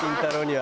は